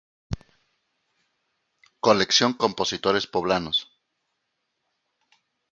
Colección Compositores Poblanos.